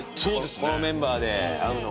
このメンバーで会うのもね。